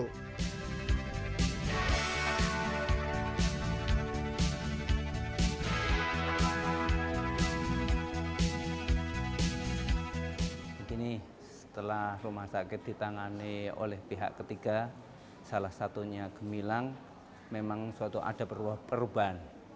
begini setelah rumah sakit ditangani oleh pihak ketiga salah satunya gemilang memang suatu ada perubahan